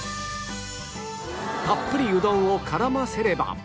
たっぷりうどんを絡ませれば